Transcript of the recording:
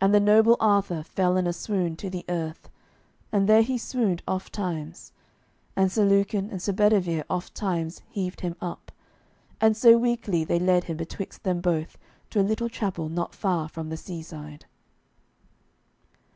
And the noble Arthur fell in a swoon to the earth, and there he swooned ofttimes. And Sir Lucan and Sir Bedivere ofttimes heaved him up, and so weakly they led him betwixt them both to a little chapel not far from the seaside.